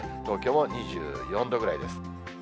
東京も２４度ぐらいです。